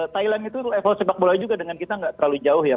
thailand itu level sepak bola juga dengan kita nggak terlalu jauh ya